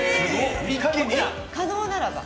可能ならば。